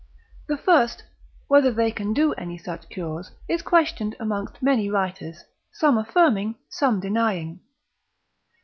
The first, whether they can do any such cures, is questioned amongst many writers, some affirming, some denying.